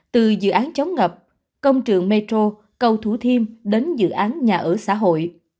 từ dự án chống ngập công trường metro cầu thủ thiêm đến dự án nhà ở xã hội